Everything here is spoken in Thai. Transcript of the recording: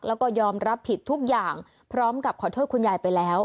แล้วก็ยอมรับผิดทุกอย่างพร้อมกับขอโทษคุณยายไปแล้ว